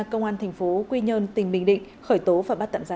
công an thành phố quy nhơn tỉnh bình định khởi tố và bắt tậm ra